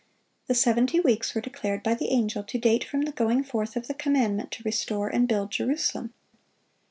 The seventy weeks were declared by the angel to date from the going forth of the commandment to restore and build Jerusalem.